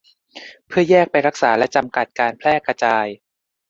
เพื่อแยกไปรักษาและจำกัดการแพร่กระจาย